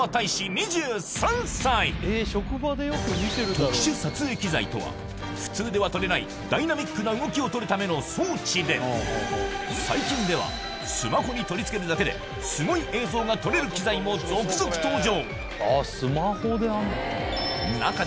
特殊撮影機材とは普通では撮れないダイナミックな動きを撮るための装置で最近ではスマホに取り付けるだけですごい映像が撮れる機材も続々登場！